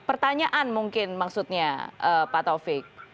pertanyaan mungkin maksudnya pak taufik